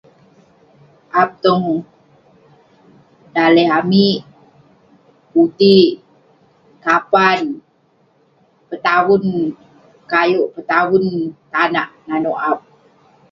Aap tong daleh amik ; puti'ik, kapan, petavun kayouk, petavun tanak nanouk aap.